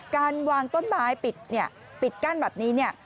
การวางต้นไม้ปิดกั้นแบบนี้